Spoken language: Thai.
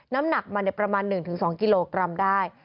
น้ำหนักมันประมาณ๑๒กิโลกรัมได้